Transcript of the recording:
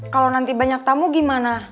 kalau nanti banyak tamu gimana